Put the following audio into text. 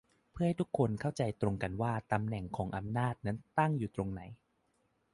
เพื่อให้ทุกคนเข้าใจตรงกันว่าตำแหน่งของอำนาจนั้นตั้งอยู่ตรงไหน